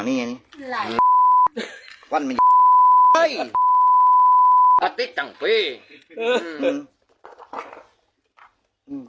แต่มีควันตลอด